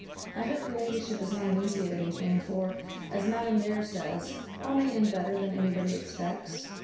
I hope your ladyship is not uneasy at anything, for, as madam there says, all may end better than anybody expects.